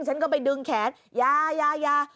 ฉันก็ไปดึงแขนยายา